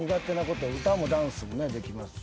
歌もダンスもできますし。